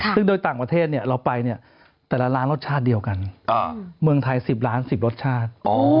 ซึ่งโดยต่างประเทศเราไปเนี่ยแต่ละร้านรสชาติเดียวกันเมืองไทย๑๐ล้าน๑๐รสชาติ